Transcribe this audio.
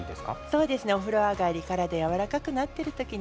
そうですねお風呂上がり体がやわらかくなっている時が